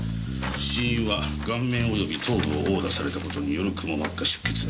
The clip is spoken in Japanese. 死因は顔面及び頭部を殴打された事によるくも膜下出血。